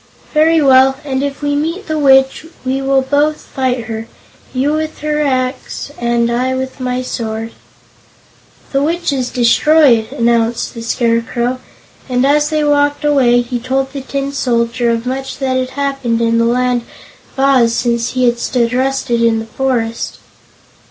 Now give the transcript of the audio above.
"Very well; and if we meet the Witch, we will both fight her you with your axe and I with my sword." "The Witch is destroyed," announced the Scarecrow, and as they walked away he told the Tin Soldier of much that had happened in the Land of Oz since he had stood rusted in the forest.